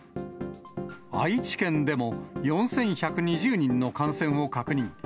愛知県でも、４１２０人の感染を確認。